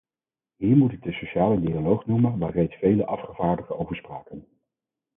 Hier moet ik de sociale dialoog noemen waar reeds vele afgevaardigden over spraken.